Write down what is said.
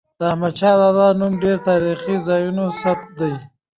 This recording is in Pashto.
د احمدشاه بابا په نوم ډیري تاریخي ځایونه ثبت دي.